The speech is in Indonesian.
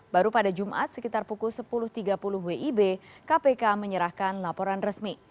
baru pada jumat sekitar pukul sepuluh tiga puluh wib kpk menyerahkan laporan resmi